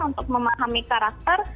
untuk memahami karakter